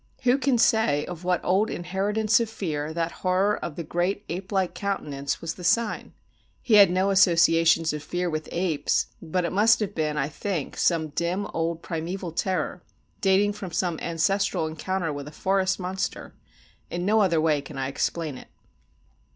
Who can say of what old inheritance of fear that horror of the great ape like countenance was the sign? He had no associations of fear with apes, but it must have been, I think, some dim old primeval terror, dating from some ancestral encounter with a forest monster. In no other way can I explain it.